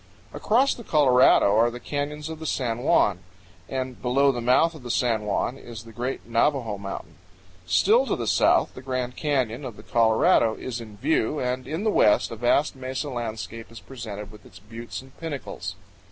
Across the Colorado are the canyons of the San Juan, and below the mouth of the San Juan is the great Navajo Mountain. Still to the south the Grand Canyon of the Colorado is in view, and in the west a vast mesa landscape is presented with its buttes and pinnacles.